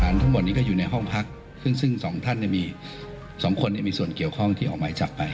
ทางทั้งหมดนี้ก็อยู่ในห้องพักจึง๒ท่านมี๒คนนี้มีส่วนเกี่ยวข้องที่ออกมาจากไป